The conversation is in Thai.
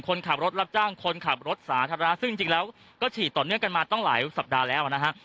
คนขับรถรับจ้างคนขับรถสาธารณะซึ่งจริงแล้วก็ฉีดต่อเนื่องกันมาตั้งหลายสัปดาห์แล้วนะฮะ